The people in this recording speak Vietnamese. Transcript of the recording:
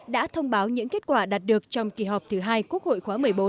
đã thông báo những kết quả đạt được trong kỳ họp thứ hai quốc hội khóa một mươi bốn